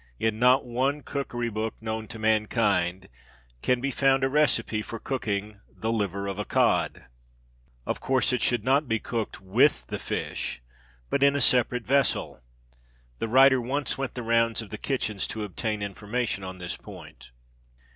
In not one cookery book known to mankind can be found a recipe for cooking the Liver of a Cod. Of course it should not be cooked with the fish, but in a separate vessel. The writer once went the rounds of the kitchens to obtain information on this point.